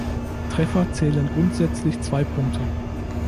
Treffer zählen grundsätzlich zwei Punkte.